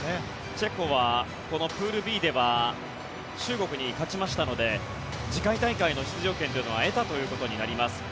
チェコはプールＢでは中国に勝ちましたので次回大会の出場権は得たということになります。